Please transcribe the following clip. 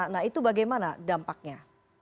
nah itu bagaimana dampaknya